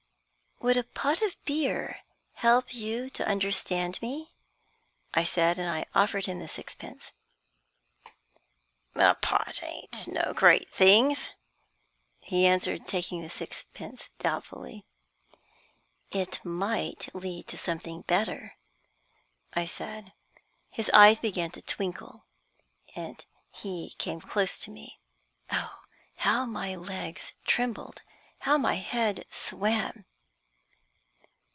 "Would a pot of beer help you to understand me?" I said, and offered him the sixpence. "A pot ain't no great things," he answered, taking the sixpence doubtfully. "It may lead to something better," I said. His eyes began to twinkle, and he came close to me. Oh, how my legs trembled how my head swam!